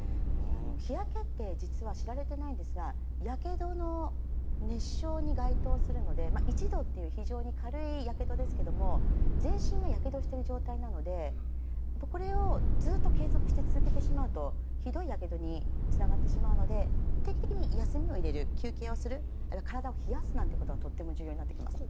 日焼けって実は知られてないんですがやけどの熱傷に該当するので１度という非常に軽いやけどですけれども全身がやけどしてる状態なのでこれをずっと継続して続けてしまうとひどいやけどにつながってしまうので定期的に休みを入れる休憩をする体を冷やすなんてことはとても重要になってきます。